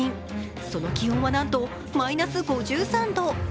その気温は、なんとマイナス５３度。